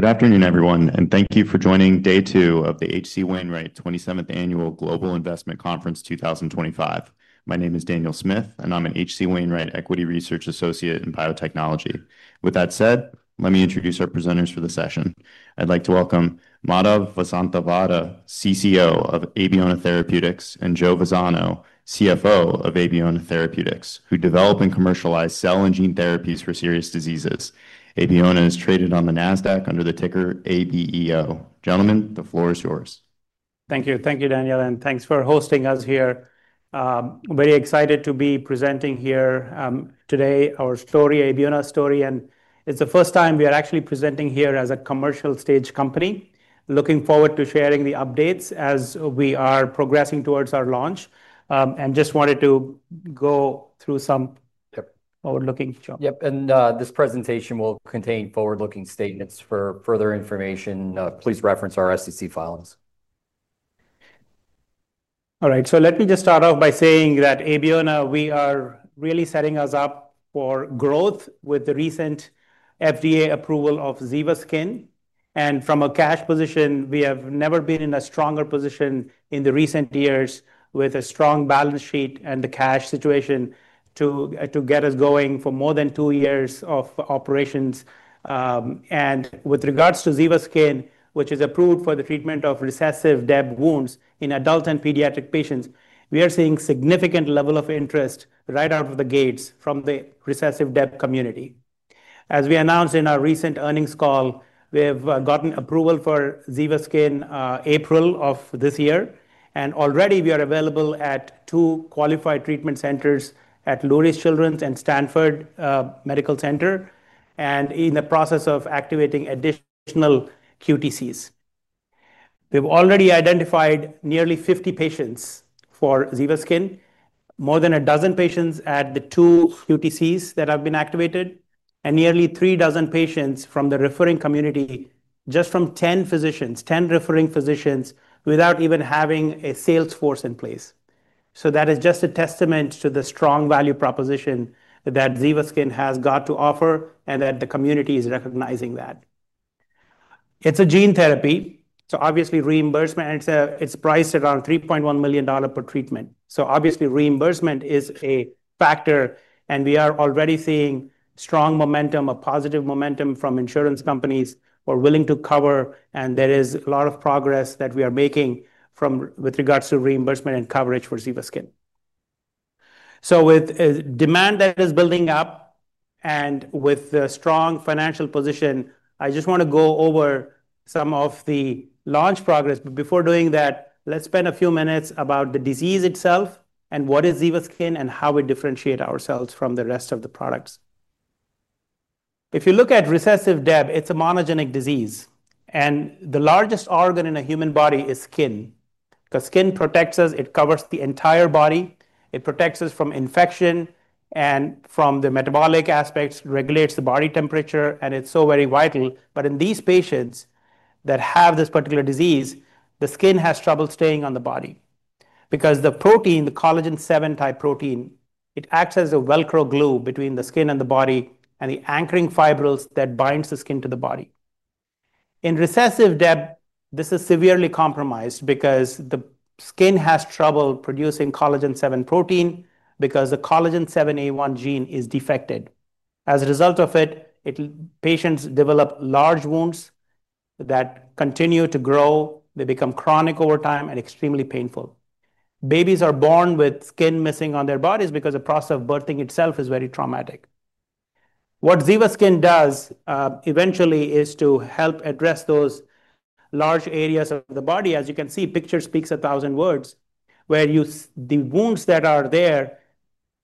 Good afternoon, everyone, and thank you for joining Day 2 of the HC Wainwright 27th Annual Global Investment Conference 2025. My name is Daniel Smith, and I'm an HC Wainwright Equity Research Associate in Biotechnology. With that said, let me introduce our presenters for the session. I'd like to welcome Madhav Vasanthavada, Chief Commercial Officer of Abeona Therapeutics Inc., and Joao Siffert, Chief Financial Officer of Abeona Therapeutics Inc., who develop and commercialize cell and gene therapies for serious diseases. Abeona is traded on the NASDAQ under the ticker ABEO. Gentlemen, the floor is yours. Thank you. Thank you, Daniel, and thanks for hosting us here. I'm very excited to be presenting here today our story, Abeona story, and it's the first time we are actually presenting here as a commercial stage company. Looking forward to sharing the updates as we are progressing towards our launch, and just wanted to go through some overlooking job. Yep, and this presentation will contain forward-looking statements. For further information, please reference our SEC filings. All right, let me just start off by saying that at Abeona, we are really setting us up for growth with the recent FDA approval of ZevaSkin™, and from a cash position, we have never been in a stronger position in recent years with a strong balance sheet and the cash situation to get us going for more than two years of operations. With regards to ZevaSkin™, which is approved for the treatment of recessive dystrophic epidermolysis bullosa wounds in adult and pediatric patients, we are seeing a significant level of interest right out of the gates from the recessive dystrophic epidermolysis bullosa community. As we announced in our recent earnings call, we have gotten approval for ZevaSkin™ in April of this year, and already we are available at two qualified treatment centers at Ann & Robert H. Lurie Children’s Hospital of Chicago and Stanford Medicine Children’s Health, and in the process of activating additional QTCs. We've already identified nearly 50 patients for ZevaSkin™, more than a dozen patients at the two QTCs that have been activated, and nearly three dozen patients from the referring community, just from 10 physicians, 10 referring physicians without even having a sales force in place. That is just a testament to the strong value proposition that ZevaSkin™ has got to offer and that the community is recognizing that. It's a gene therapy, so obviously reimbursement, and it's priced at around $3.1 million per treatment. Obviously reimbursement is a factor, and we are already seeing strong momentum, a positive momentum from insurance companies who are willing to cover, and there is a lot of progress that we are making with regards to reimbursement and coverage for ZevaSkin™. With a demand that is building up and with the strong financial position, I just want to go over some of the launch progress, but before doing that, let's spend a few minutes about the disease itself and what is ZevaSkin™ and how we differentiate ourselves from the rest of the products. If you look at recessive dystrophic epidermolysis bullosa, it's a monogenic disease, and the largest organ in a human body is skin because skin protects us. It covers the entire body. It protects us from infection and from the metabolic aspects, regulates the body temperature, and it's so very vital. In these patients that have this particular disease, the skin has trouble staying on the body because the protein, the collagen 7 type protein, it acts as a velcro glue between the skin and the body and the anchoring fibrils that bind the skin to the body. In recessive DEB, this is severely compromised because the skin has trouble producing collagen 7 protein because the COL7A1 gene is defected. As a result of it, patients develop large wounds that continue to grow. They become chronic over time and extremely painful. Babies are born with skin missing on their bodies because the process of birthing itself is very traumatic. What ZevaSkin™ does eventually is to help address those large areas of the body. As you can see, picture speaks a thousand words where the wounds that are there,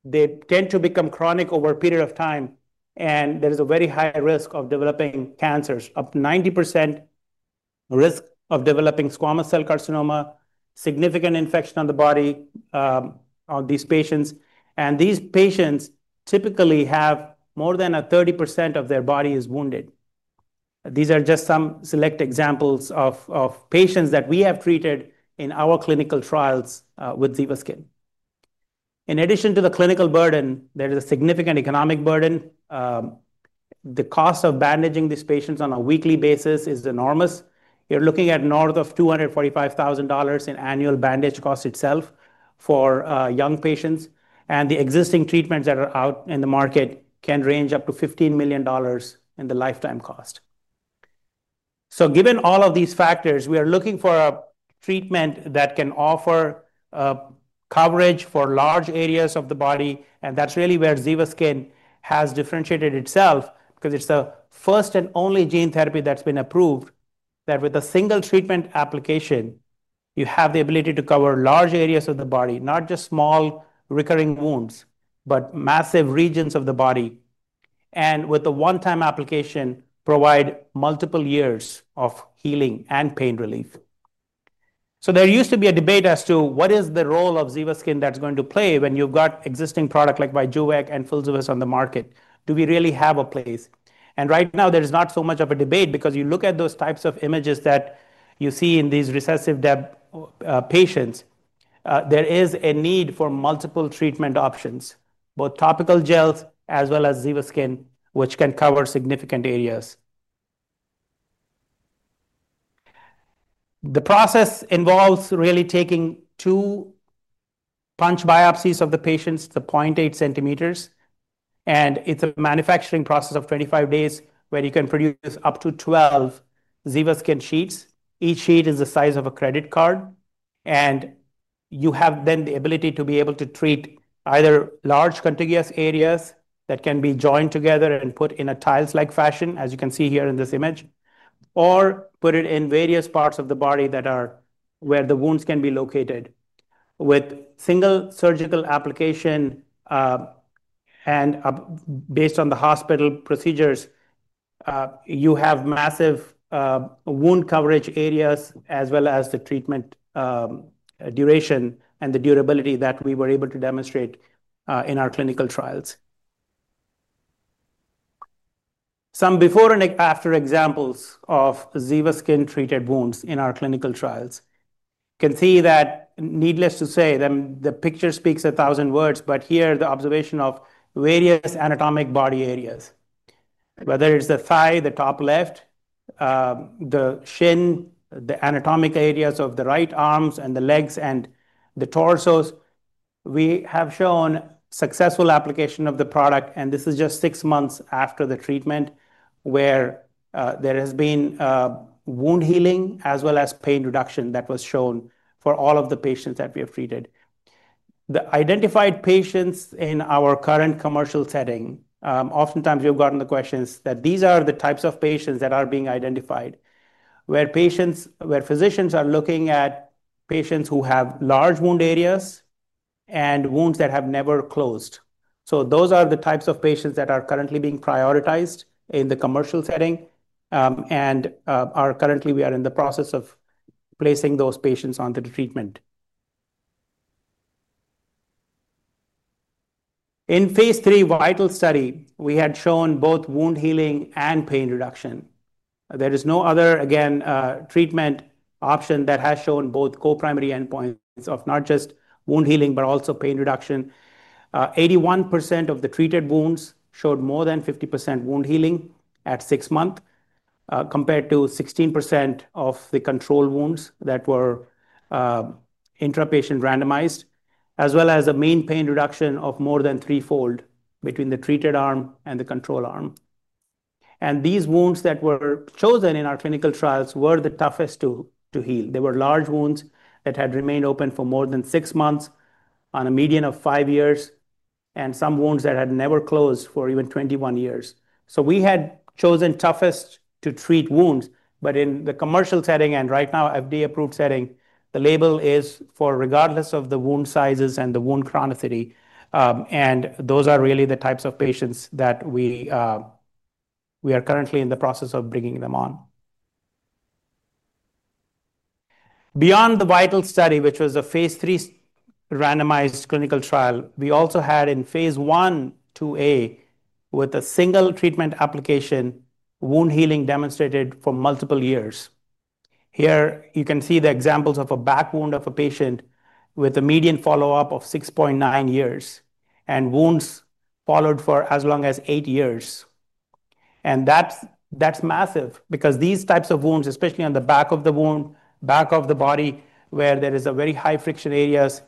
they tend to become chronic over a period of time, and there is a very high risk of developing cancers, up to 90% risk of developing squamous cell carcinoma, significant infection on the body of these patients. These patients typically have more than 30% of their bodies wounded. These are just some select examples of patients that we have treated in our clinical trials with ZevaSkin™. In addition to the clinical burden, there is a significant economic burden. The cost of bandaging these patients on a weekly basis is enormous. You're looking at north of $245,000 in annual bandage cost itself for young patients, and the existing treatments that are out in the market can range up to $15 million in the lifetime cost. Given all of these factors, we are looking for a treatment that can offer coverage for large areas of the body, and that's really where ZevaSkin™ has differentiated itself because it's the first and only gene therapy that's been approved that with a single treatment application, you have the ability to cover large areas of the body, not just small recurring wounds, but massive regions of the body. With the one-time application, provide multiple years of healing and pain relief. There used to be a debate as to what is the role of ZevaSkin™ that's going to play when you've got existing products like Vijuex and Fulzuvist on the market. Do we really have a place? Right now, there's not so much of a debate because you look at those types of images that you see in these recessive DEB patients. There is a need for multiple treatment options, both topical gels as well as ZevaSkin™, which can cover significant areas. The process involves really taking two punch biopsies of the patients to 0.8 centimeters, and it's a manufacturing process of 25 days where you can produce up to 12 ZevaSkin™ sheets. Each sheet is the size of a credit card, and you have then the ability to be able to treat either large contiguous areas that can be joined together and put in a tile-like fashion, as you can see here in this image, or put it in various parts of the body that are where the wounds can be located. With single surgical application, and based on the hospital procedures, you have massive wound coverage areas as well as the treatment duration and the durability that we were able to demonstrate in our clinical trials. Some before and after examples of ZevaSkin™-treated wounds in our clinical trials. You can see that, needless to say, the picture speaks a thousand words, but here the observation of various anatomic body areas, whether it's the thigh, the top left, the shin, the anatomic areas of the right arms and the legs, and the torsos. We have shown successful application of the product, and this is just six months after the treatment where there has been wound healing as well as pain reduction that was shown for all of the patients that we have treated. The identified patients in our current commercial setting, oftentimes we've gotten the questions that these are the types of patients that are being identified where physicians are looking at patients who have large wound areas and wounds that have never closed. Those are the types of patients that are currently being prioritized in the commercial setting, and currently we are in the process of placing those patients on the treatment. In phase three VITAL study, we had shown both wound healing and pain reduction. There is no other, again, treatment option that has shown both co-primary endpoints of not just wound healing but also pain reduction. 81% of the treated wounds showed more than 50% wound healing at six months compared to 16% of the control wounds that were intra-patient randomized, as well as a mean pain reduction of more than threefold between the treated arm and the control arm. These wounds that were chosen in our clinical trials were the toughest to heal. They were large wounds that had remained open for more than six months on a median of five years, and some wounds that had never closed for even 21 years. We had chosen the toughest to treat wounds, but in the commercial setting and right now FDA-approved setting, the label is for regardless of the wound sizes and the wound chronicity, and those are really the types of patients that we are currently in the process of bringing them on. Beyond the vital study, which was a phase three randomized clinical trial, we also had in phase one 2A with a single treatment application, wound healing demonstrated for multiple years. Here you can see the examples of a back wound of a patient with a median follow-up of 6.9 years and wounds followed for as long as eight years. That's massive because these types of wounds, especially on the back of the wound, back of the body where there are very high friction areas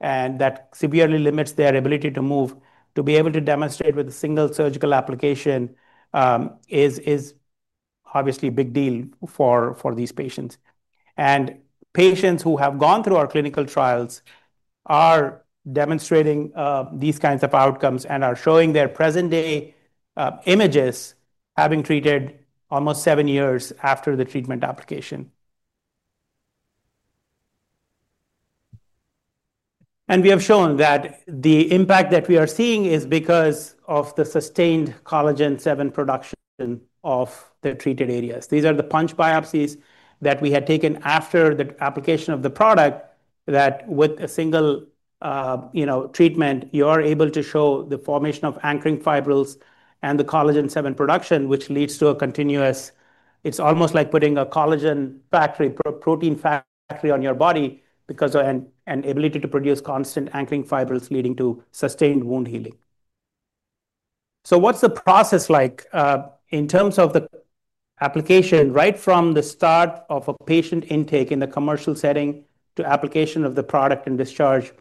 and that severely limits their ability to move, to be able to demonstrate with a single surgical application is obviously a big deal for these patients. Patients who have gone through our clinical trials are demonstrating these kinds of outcomes and are showing their present-day images having treated almost seven years after the treatment application. We have shown that the impact that we are seeing is because of the sustained collagen 7 production of the treated areas. These are the punch biopsies that we had taken after the application of the product that with a single treatment, you are able to show the formation of anchoring fibrils and the collagen 7 production, which leads to a continuous, it's almost like putting a collagen factory, protein factory on your body because of an ability to produce constant anchoring fibrils leading to sustained wound healing. What's the process like in terms of the application right from the start of a patient intake in a commercial setting to application of the product and discharge?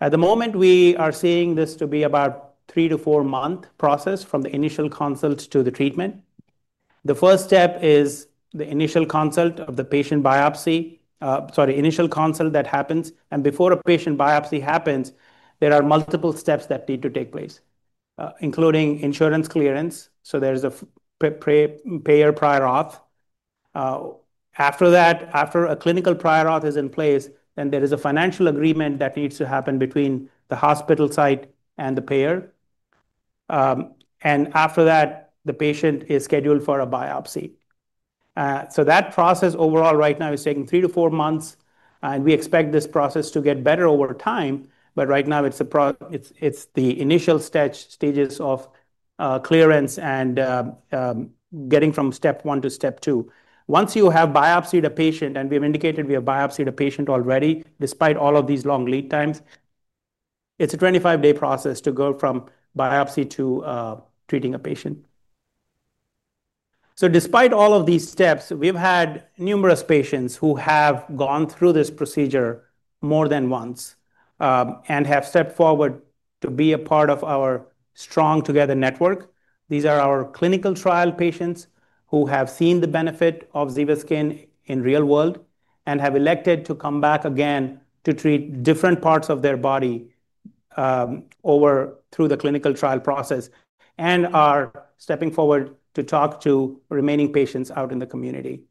At the moment, we are seeing this to be about a three to four-month process from the initial consult to the treatment. The first step is the initial consult of the patient, sorry, initial consult that happens. Before a patient biopsy happens, there are multiple steps that need to take place, including insurance clearance. There's a payer prior auth. After that, after a clinical prior auth is in place, then there is a financial agreement that needs to happen between the hospital site and the payer. After that, the patient is scheduled for a biopsy. That process overall right now is taking three to four months, and we expect this process to get better over time. Right now, it's the initial stages of clearance and getting from step one to step two. Once you have biopsied a patient, and we have indicated we have biopsied a patient already, despite all of these long lead times, it's a 25-day process to go from biopsy to treating a patient. Despite all of these steps, we've had numerous patients who have gone through this procedure more than once and have stepped forward to be a part of our Strong Together network. These are our clinical trial patients who have seen the benefit of ZevaSkin™ in the real world and have elected to come back again to treat different parts of their body through the clinical trial process and are stepping forward to talk to remaining patients out in the community.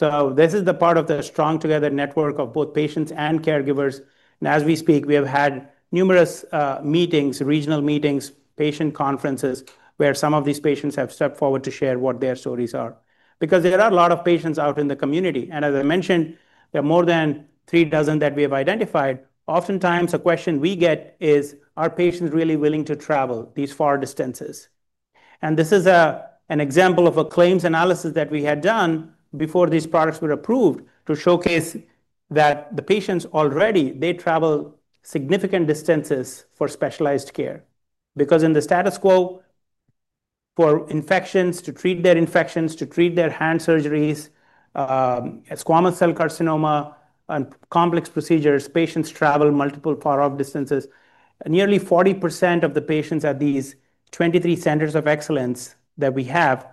This is the part of the Strong Together network of both patients and caregivers. As we speak, we have had numerous meetings, regional meetings, patient conferences where some of these patients have stepped forward to share what their stories are because there are a lot of patients out in the community. As I mentioned, there are more than three dozen that we have identified. Oftentimes, a question we get is, are patients really willing to travel these far distances? This is an example of a claims analysis that we had done before these products were approved to showcase that the patients already travel significant distances for specialized care because in the status quo for infections, to treat their infections, to treat their hand surgeries, squamous cell carcinoma, and complex procedures, patients travel multiple far-off distances. Nearly 40% of the patients at these 23 centers of excellence that we have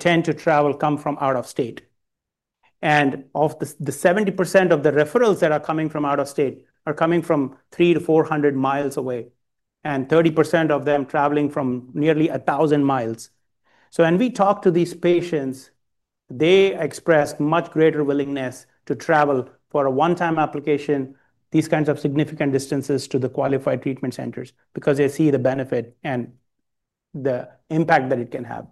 tend to come from out of state. The 70% of the referrals that are coming from out of state are coming from 300 to 400 miles away, and 30% of them are traveling from nearly 1,000 miles. When we talk to these patients, they express much greater willingness to travel for a one-time application, these kinds of significant distances to the qualified treatment centers because they see the benefit and the impact that it can have.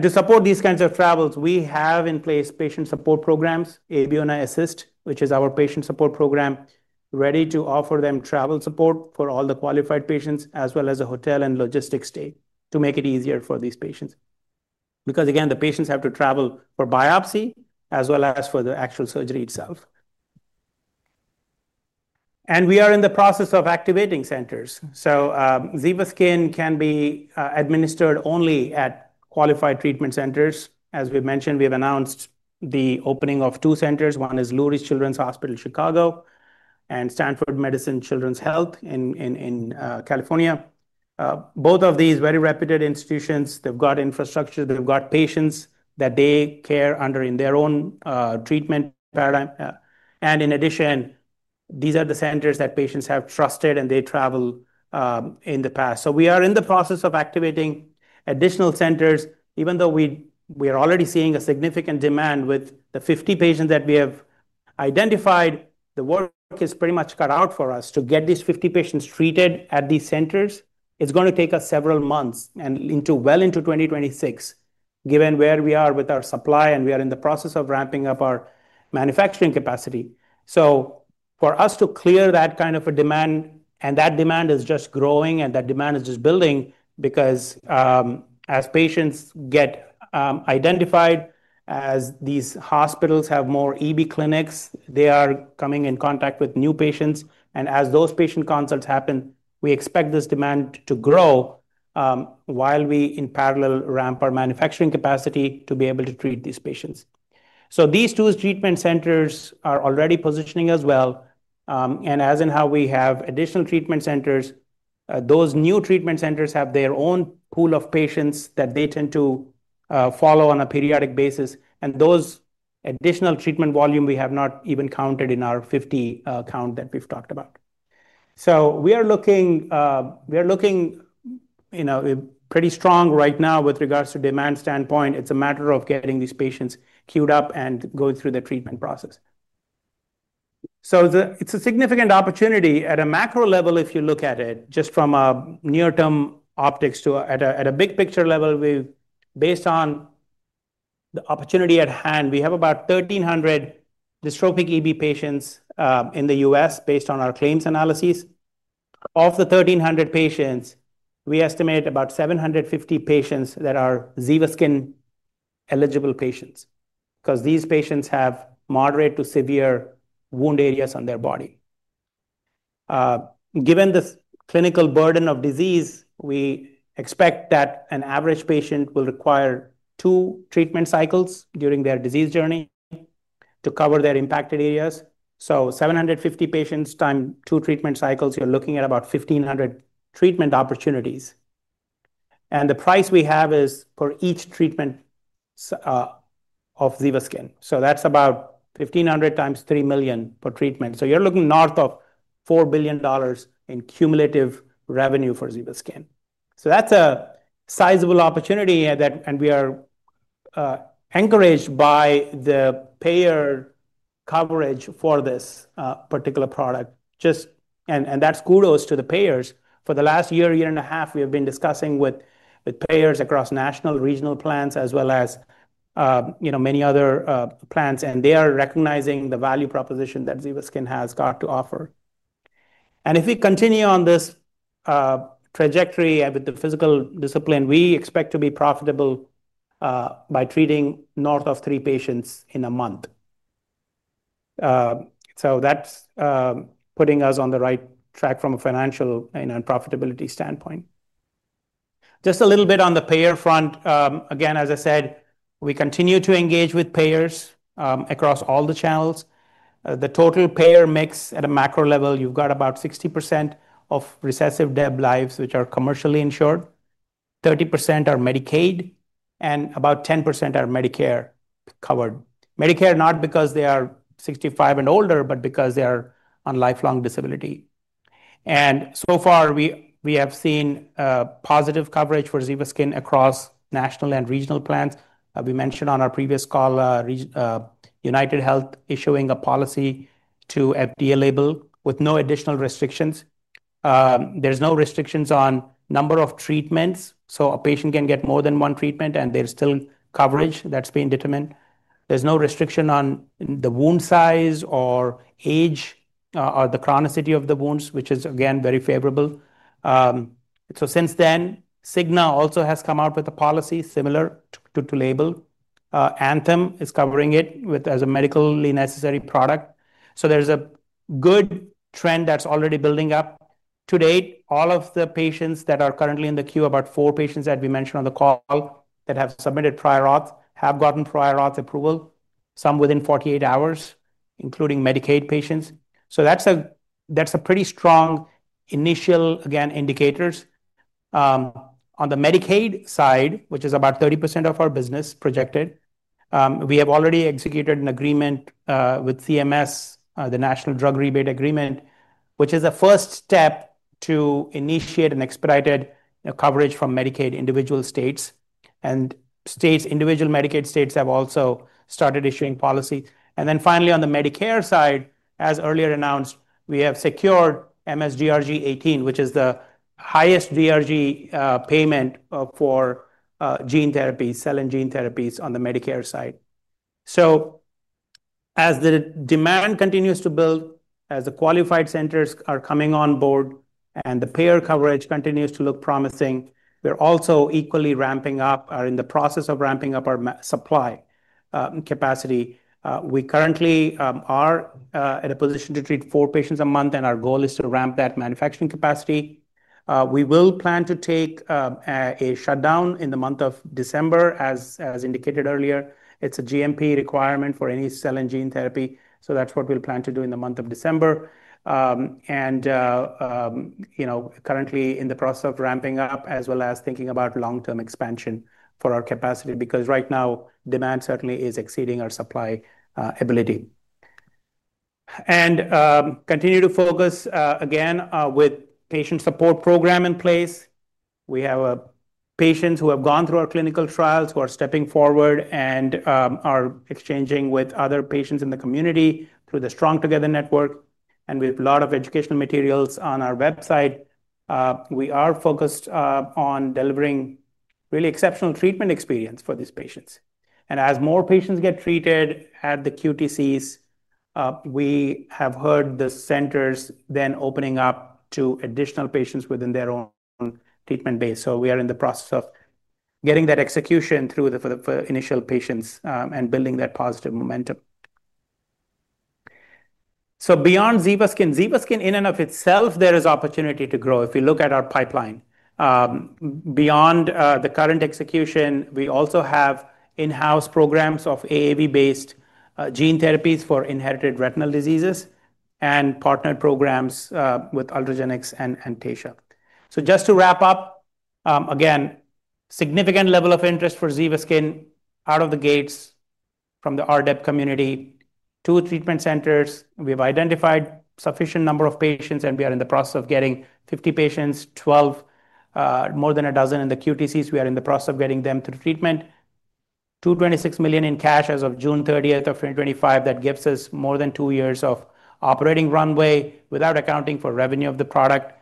To support these kinds of travels, we have in place patient support programs, Abeona Assist™, which is our patient support program, ready to offer them travel support for all the qualified patients, as well as a hotel and logistics stay to make it easier for these patients because the patients have to travel for biopsy as well as for the actual surgery itself. We are in the process of activating centers. ZevaSkin™ can be administered only at qualified treatment centers. As we mentioned, we've announced the opening of two centers. One is Ann & Robert H. Lurie Children’s Hospital of Chicago and Stanford Medicine Children’s Health in California. Both of these very reputed institutions, they've got infrastructure, they've got patients that they care under in their own treatment paradigm. In addition, these are the centers that patients have trusted and they traveled in the past. We are in the process of activating additional centers. Even though we are already seeing a significant demand with the 50 patients that we have identified, the work is pretty much cut out for us to get these 50 patients treated at these centers. It's going to take us several months and well into 2026, given where we are with our supply and we are in the process of ramping up our manufacturing capacity. For us to clear that kind of a demand, and that demand is just growing and that demand is just building because as patients get identified, as these hospitals have more EB clinics, they are coming in contact with new patients. As those patient consults happen, we expect this demand to grow while we in parallel ramp our manufacturing capacity to be able to treat these patients. These two treatment centers are already positioning as well. As in how we have additional treatment centers, those new treatment centers have their own pool of patients that they tend to follow on a periodic basis. Those additional treatment volume we have not even counted in our 50 count that we've talked about. We are looking pretty strong right now with regards to demand standpoint. It's a matter of getting these patients queued up and going through the treatment process. It's a significant opportunity at a macro level if you look at it just from a near-term optics to at a big picture level. Based on the opportunity at hand, we have about 1,300 dystrophic EB patients in the U.S. based on our claims analyses. Of the 1,300 patients, we estimate about 750 patients that are ZevaSkin™ eligible patients because these patients have moderate to severe wound areas on their body. Given the clinical burden of disease, we expect that an average patient will require two treatment cycles during their disease journey to cover their impacted areas. So 750 patients times two treatment cycles, you're looking at about 1,500 treatment opportunities. The price we have is for each treatment of ZevaSkin™. That's about 1,500 times $3 million per treatment. You're looking north of $4 billion in cumulative revenue for ZevaSkin™. That's a sizable opportunity and we are encouraged by the payer coverage for this particular product. That's kudos to the payers. For the last year, year and a half, we have been discussing with payers across national, regional plans as well as many other plans, and they are recognizing the value proposition that ZevaSkin™ has got to offer. If we continue on this trajectory with the fiscal discipline, we expect to be profitable by treating north of three patients in a month. That's putting us on the right track from a financial and profitability standpoint. A little bit on the payer front. As I said, we continue to engage with payers across all the channels. The total payer mix at a macro level, you've got about 60% of recessive DEB lives which are commercially insured, 30% are Medicaid, and about 10% are Medicare covered. Medicare not because they are 65 and older, but because they are on lifelong disability. So far, we have seen positive coverage for ZevaSkin™ across national and regional plans. We mentioned on our previous call, UnitedHealth issuing a policy to FDA label with no additional restrictions. There's no restrictions on the number of treatments, so a patient can get more than one treatment and there's still coverage that's being determined. There's no restriction on the wound size or age or the chronicity of the wounds, which is again very favorable. Since then, Cigna also has come out with a policy similar to label. Anthem is covering it as a medically necessary product. There's a good trend that's already building up. To date, all of the patients that are currently in the queue, about four patients that we mentioned on the call that have submitted prior auth, have gotten prior auth approval, some within 48 hours, including Medicaid patients. That's a pretty strong initial, again, indicators. On the Medicaid side, which is about 30% of our business projected, we have already executed an agreement with CMS, the National Drug Rebate Agreement, which is the first step to initiate an expedited coverage from Medicaid individual states. Individual Medicaid states have also started issuing policy. Finally, on the Medicare side, as earlier announced, we have secured MSGDRG 18, which is the highest DRG payment for gene therapies, cell and gene therapies on the Medicare side. As the demand continues to build, as the qualified centers are coming on board, and the payer coverage continues to look promising, we're also equally ramping up or in the process of ramping up our supply capacity. We currently are at a position to treat four patients a month, and our goal is to ramp that manufacturing capacity. We will plan to take a shutdown in the month of December, as indicated earlier. It's a GMP requirement for any cell and gene therapy. That's what we'll plan to do in the month of December. We are currently in the process of ramping up as well as thinking about long-term expansion for our capacity because right now demand certainly is exceeding our supply ability. We continue to focus again with patient support program in place. We have patients who have gone through our clinical trials who are stepping forward and are exchanging with other patients in the community through the Strong Together Network. We have a lot of educational materials on our website. We are focused on delivering really exceptional treatment experience for these patients. As more patients get treated at the QTCs, we have heard the centers then opening up to additional patients within their own treatment base. We are in the process of getting that execution through the initial patients and building that positive momentum. Beyond ZevaSkin™, ZevaSkin™ in and of itself, there is opportunity to grow. If you look at our pipeline, beyond the current execution, we also have in-house programs of AAV-based gene therapies for inherited retinal diseases and partnered programs with Ultragenyx and Antasia. Just to wrap up, again, a significant level of interest for ZevaSkin™ out of the gates from the RDEB community. Two treatment centers, we've identified a sufficient number of patients, and we are in the process of getting 50 patients, 12, more than a dozen in the QTCs. We are in the process of getting them through treatment. $226 million in cash as of June 30th of 2025. That gives us more than two years of operating runway without accounting for revenue of the product.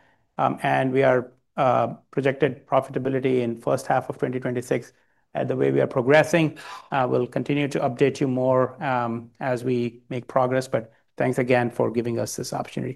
We are projected profitability in the first half of 2026. The way we are progressing, we'll continue to update you more as we make progress. Thanks again for giving us this opportunity.